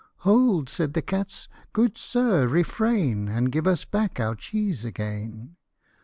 " Hold !" said the cats, " good sir, refrain, And give us back our cheese again."